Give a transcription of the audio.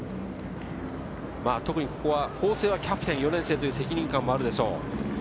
特にここは法政はキャプテンという責任感もあるでしょう。